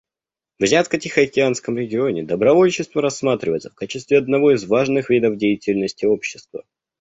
В Азиатско-Тихоокеанском регионе добровольчество рассматривается в качестве одного из важных видов деятельности общества.